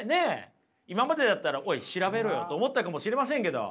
今までだったらおい調べろよと思ったかもしれませんけど。